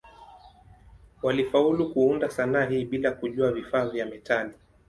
Walifaulu kuunda sanaa hii bila kujua vifaa vya metali.